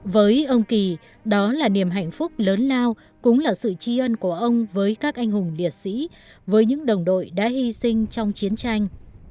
với ông kỳ đó là niềm hạnh phúc lớn lao cũng là sự tri ân của ông với các anh hùng liệt sĩ với những đồng đội đã hy sinh trong chiến tranh